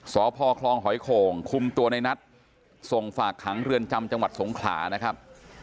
สพคลองหอยโข่งคุมตัวในนัทส่งฝากขังเรือนจำจังหวัดสงขลานะครับ